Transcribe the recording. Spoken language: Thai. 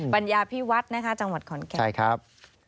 ัญญาพิวัฒน์นะคะจังหวัดขอนแก่นใช่ครับ